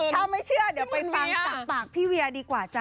ถ้าไม่เชื่อเดี๋ยวไปฟังจากปากพี่เวียดีกว่าจ้